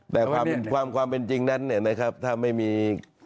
แต่ความเป็นจริงนั้นถ้าไม่มี